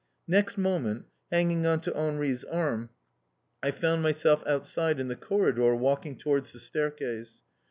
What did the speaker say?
Next moment, hanging on to Henri's arm, I found myself outside in the corridor walking towards the staircase.